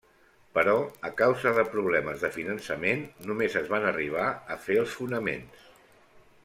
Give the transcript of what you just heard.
Però a causa de problemes de finançament només es van arribar a fer els fonaments.